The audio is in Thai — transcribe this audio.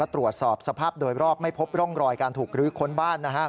ตรวจสอบสภาพโดยรอบไม่พบร่องรอยการถูกรื้อค้นบ้าน